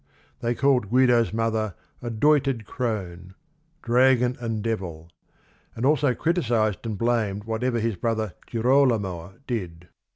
They called Guido's mother a "doited crone," "dragon and devil," and also criticised and blamed what ever his brother Girolamo did.